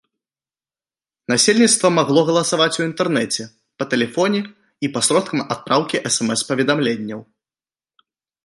Насельніцтва магло галасаваць у інтэрнэце, па тэлефоне і пасродкам адпраўкі смс-паведамленняў.